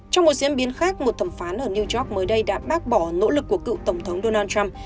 trong một diễn biến khác một thẩm phán ở new york mới đây đã bác bỏ nỗ lực của cựu tổng thống donald trump